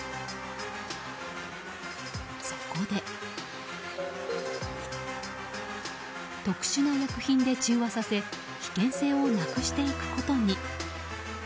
そこで、特殊な薬品で中和させ危険性をなくしていくことに。